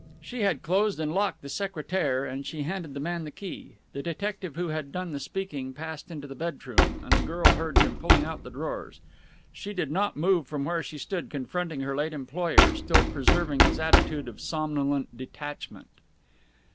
She had closed and locked the secretaire and she handed the man the key. The detective who had done the speaking passed into the bedroom, and the girl heard him pulling out the drawers. She did not move from where she stood confronting her late employer, still preserving his attitude of somnolent detachment.